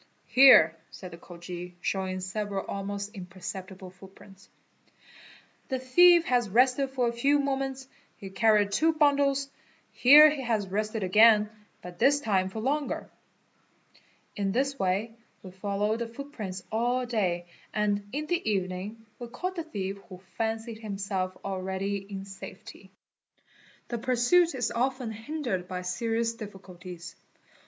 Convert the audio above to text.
"Here" said the Khoji, showing several almost impercep tible footprints, "the thief has rested for a few moments, he carried two bundles. Here he has rested again, but this time for longer." In this way we followed the footprints all day and in the evening we caught the thief who fancied himself already in safety. The pursuit is often hindered by serious difficulties.